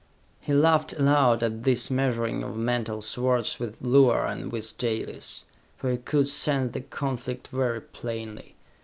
He laughed aloud at this measuring of mental swords with Luar, and with Dalis. For he could sense the conflict very plainly.